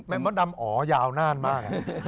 มดดำอ๋อยาวนานมาก